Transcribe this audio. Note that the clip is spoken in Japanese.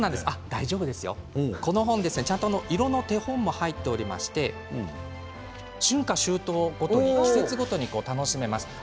大丈夫ですよ色の手本も入っていまして春夏秋冬ごと季節ごとに楽しめます。